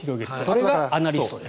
それがアナリストです。